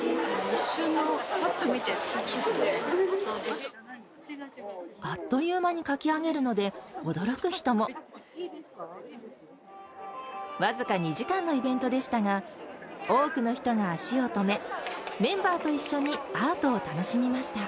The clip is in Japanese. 一瞬の、ぱっと見て、次描くあっという間に描き上げるので、驚く人も。僅か２時間のイベントでしたが、多くの人が足を止め、メンバーと一緒にアートを楽しみました。